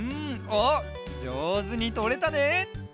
おっじょうずにとれたね！